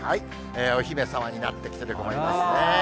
お姫様になってきてる子もいますね。